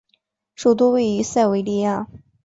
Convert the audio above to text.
首府位于塞维利亚。